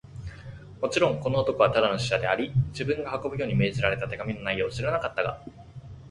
もちろん、この男はただの使者であり、自分が運ぶように命じられた手紙の内容を知らなかったが、